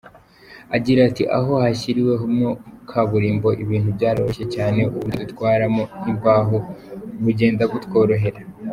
Agira ati “Aho hashyiriwemo kaburimbo ibintu byaroroshye cyane, uburyo dutwaramo imbaho bugenda butworohera.